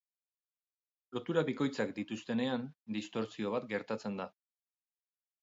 Lotura bikoitzak dituztenean, distortsio bat gertatzen da.